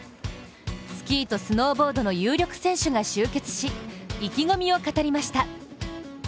スキーとスノーボードの有力選手が集結し意気込みを語りました。